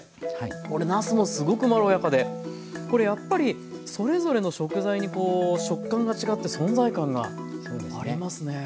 これなすもすごくまろやかでこれやっぱりそれぞれの食材にこう食感が違って存在感がありますね。